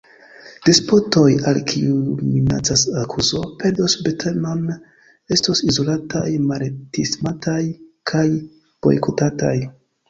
Despotoj, al kiuj minacas akuzo, perdos subtenon, estos izolataj, malestimataj kaj bojkotataj.